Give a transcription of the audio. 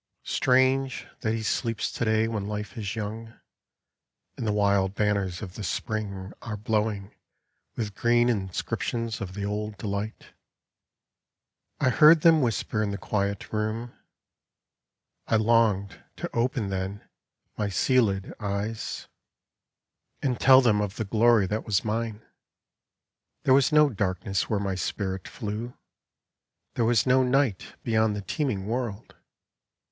Strange that he sleeps to day when Life is young, And the wild banners of the Spring are blowing With green inscriptions of the old delight." I heard them whisper in the quiet room. I longed to open then my sealed eyes, BEYOND THIE, STARS And tell them of die glory that was mine. There was no darkness where my spirit flew, There was no night beyond the teeming world.